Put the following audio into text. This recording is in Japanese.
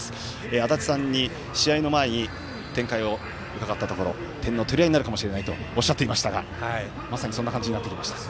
足達さんに、試合の前に展開を伺ったところ点の取り合いになるとおっしゃっていましたがまさに、そんな感じになってきました。